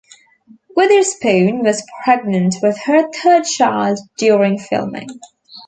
Witherspoon was pregnant with her third child during filming.